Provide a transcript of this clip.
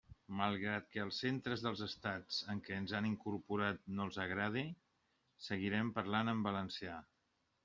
Malgrat que als centres dels estats en què ens han incorporat no els agrade, seguirem parlant en valencià!